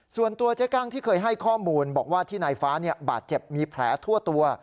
ส่วนตัวเจ๊กั้งที่เคยให้ข้อมูลบอกว่าที่นายฟ้าบาดเจ็บมีแผลทั่วตัว